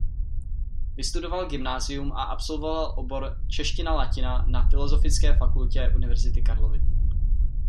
Vystudoval gymnázium a absolvoval obor čeština–latina na Filozofické fakultě Univerzity Karlovy.